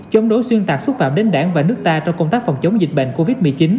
chống đối xuyên tạc xúc phạm đến đảng và nước ta trong công tác phòng chống dịch bệnh covid một mươi chín